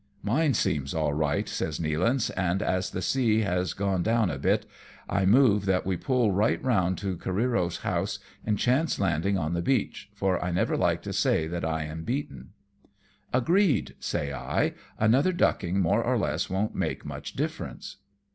" Mine seems all right," says Nealance, " and as the sea has gone down a bit, I move that we pull right round to Careero's house, and chance landing on the beach, for I never like to say that I am beaten." 268 AMONG TYPHOONS AND PIRATE CRAFT. " Agreed/'^ say I, " another ducking more or less won^t make much difference."